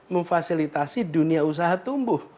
memfasilitasi dunia usaha tumbuh